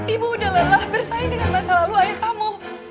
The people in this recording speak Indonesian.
ibu udah lelah bersaing dengan masa lalu ayah kamu